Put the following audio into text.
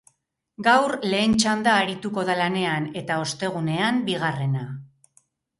Gaur, lehen txanda arituko da lanean, eta ostegunean, bigarrena.